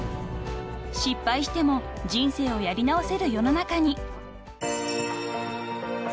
［失敗しても人生をやり直せる世の中に］